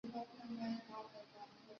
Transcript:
刘粲及后就派靳准杀死刘乂。